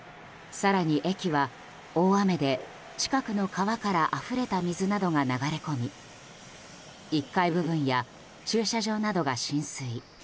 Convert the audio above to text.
更に駅は、大雨で近くの川からあふれた水などが流れ込み１階部分や駐車場などが浸水。